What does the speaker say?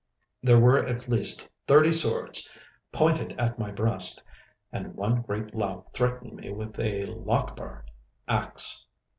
There were at least thirty swords pointed at my breast, and one great lout threatened me with a Lochaber axe.